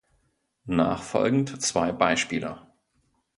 Nachfolgend zwei Beispiele.